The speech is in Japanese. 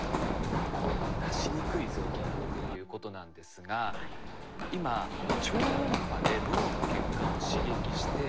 手が出しにくい臓器だということなんですが今超音波で脳の血管を刺激してアルツハイマーを治療しよう。